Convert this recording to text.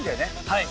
はい。